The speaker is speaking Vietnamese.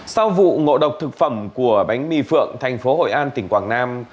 sau vụ ngộ độc thực phẩm của bánh mì phượng thành phố hội an tỉnh quảng nam